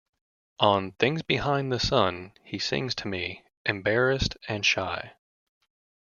On 'Things Behind The Sun', he sings to me, embarrassed and shy.